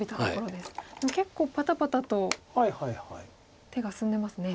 でも結構パタパタと手が進んでますね。